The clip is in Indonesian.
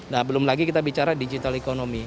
nah belum lagi kita bicara digital economy